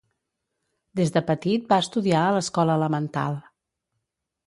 Des de petit va estudiar a l’escola elemental.